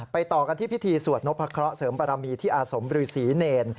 ไปต่อกันที่พิธีสวดนพครเสริมประรามีที่อาสมรือศรีเนร